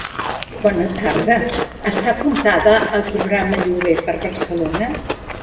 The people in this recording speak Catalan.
Bona tarda, està apuntada al programa Lloguer per Barcelona?